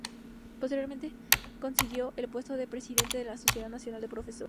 Posteriormente consiguió el puesto de presidente de la Sociedad Nacional de Profesores.